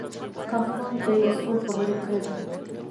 کافرانو ته يې يو څو خبرې کړي دي.